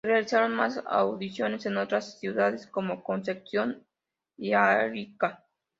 Se realizaron más audiciones en otras ciudades como Concepción y Arica.